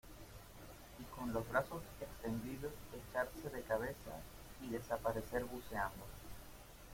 y con los brazos extendidos echarse de cabeza y desaparecer buceando.